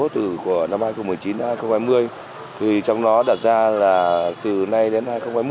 thành phố từ năm hai nghìn một mươi chín đến hai nghìn hai mươi trong đó đặt ra là từ nay đến hai nghìn hai mươi